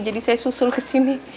saya susul ke sini